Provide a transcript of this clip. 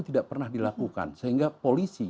tidak pernah dilakukan sehingga polisi